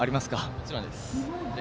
もちろんです。